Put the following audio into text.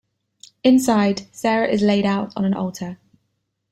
Inside, Sarah is laid out on an altar.